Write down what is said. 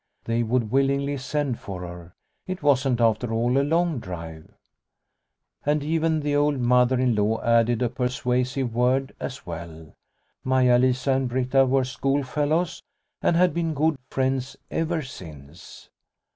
They would willingly send for her. It wasn't after all a long drive. And even the old Mother in law added a persuasive word as well : Maia Lisa and Britta were schoolfellows, and had been good friends ever since.